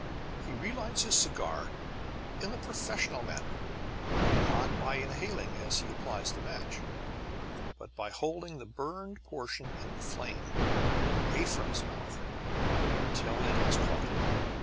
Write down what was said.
He relights his cigar in the professional manner, not by inhaling as he applies the match, but by holding the burned portion in the flame, away from his mouth, until it has caught.